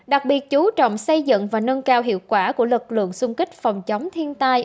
đặc biệt chú trọng xây dựng và nâng cao hiệu quả của lực lượng xung kích phòng chống thiên tai